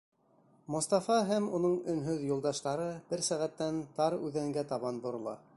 Мостафа һәм уның өнһөҙ юлдаштары бер сәғәттән тар үҙәнгә табан борола.